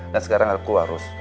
dan sekarang aku harus